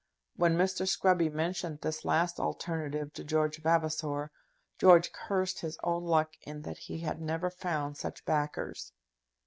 When Mr. Scruby mentioned this last alternative to George Vavasor, George cursed his own luck in that he had never found such backers.